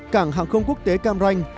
cảng hạng không quốc tế cam ranh